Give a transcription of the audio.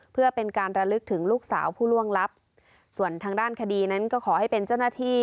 เพื่อเป็นการระลึกถึงลูกสาวผู้ล่วงลับส่วนทางด้านคดีนั้นก็ขอให้เป็นเจ้าหน้าที่